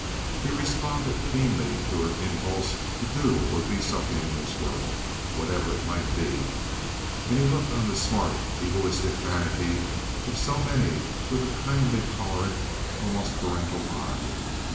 He responded keenly to her impulse to do or be something in this world, whatever it might be, and he looked on the smart, egoistic vanity of so many with a kindly, tolerant, almost parental eye.